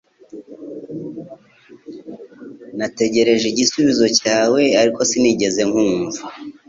Nategereje igisubizo cyawe ariko sinigeze nkumva